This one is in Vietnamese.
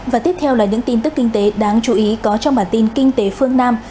và tiếp theo là những tin tức kinh tế đáng chú ý có trong bản tin kinh tế phương nam